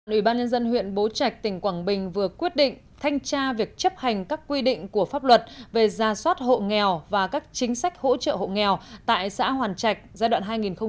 ủy ban nhân dân huyện bố trạch tỉnh quảng bình vừa quyết định thanh tra việc chấp hành các quy định của pháp luật về ra soát hộ nghèo và các chính sách hỗ trợ hộ nghèo tại xã hoàn trạch giai đoạn hai nghìn một mươi sáu hai nghìn hai mươi